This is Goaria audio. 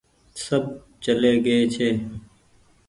سب چلي گيئي ڇي۔